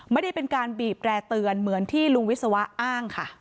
ไม่ได้เป็นการบีบแร่เตือนเหมือนที่ลุงวิศวะอ้างค่ะ